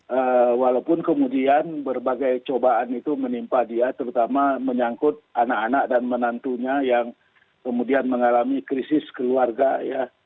eee walaupun kemudian berbagai cobaan itu menimpa dia terutama menyangkut anak anak dan menantunya yang kemudian mengalami krisis keluarga ya